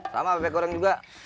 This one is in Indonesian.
sama bebek goreng juga